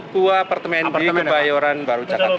di dua apartemen di kebayoran baru cakarta